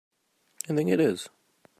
I think it is.